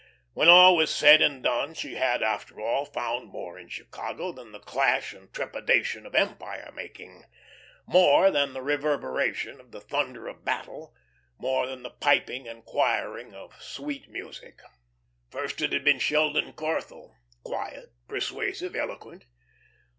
When all was said and done, she had, after all, found more in Chicago than the clash and trepidation of empire making, more than the reverberation of the thunder of battle, more than the piping and choiring of sweet music. First it had been Sheldon Corthell, quiet, persuasive, eloquent.